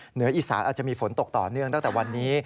เหนืออีสานอาจจะมีฝนตกต่อเนื่องตั้งแต่วันนี้